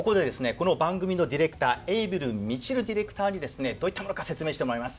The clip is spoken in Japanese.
この番組のディレクターエイブルみちるディレクターにですねどういったものか説明してもらいます。